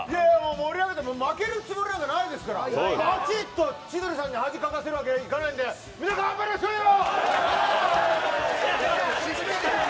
盛り上げていこう負けるつもりないですからばっちりと千鳥さんに恥かかせるわけにはいかないんで皆さん、がんばりましょうよ。